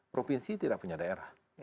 provinsi tidak punya daerah